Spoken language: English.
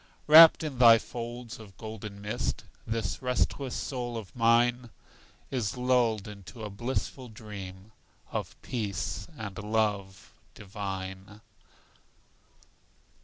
Wrapped in thy folds of golden mist, This restless soul of mine Is lulled into a blissful dream Of peace and love divine.